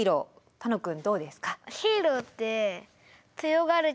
楽くんどうですか？